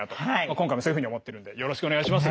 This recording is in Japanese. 今回もそういうふうに思ってるんでよろしくお願いします。